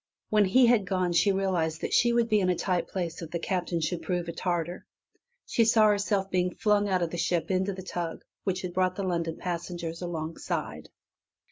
When he had gone she realized that she would be in a tight place if the Captain should prove a tartar. She saw herself being flung out of the ship into the tug which had brought the London passengers alongside.